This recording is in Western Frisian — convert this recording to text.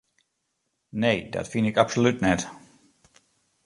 Nee, dat fyn ik absolút net.